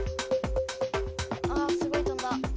あすごいとんだ。